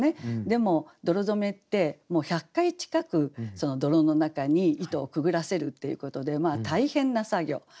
でも泥染めって１００回近く泥の中に糸をくぐらせるっていうことで大変な作業。